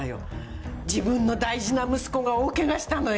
自分の大事な息子が大ケガしたのよ！